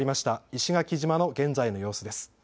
石垣島の現在の様子です。